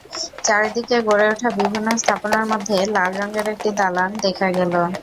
চারদিকে গড়ে ওঠা বিভিন্ন স্থাপনার মধ্যে লাল রঙের একটি দালান দেখা গেল।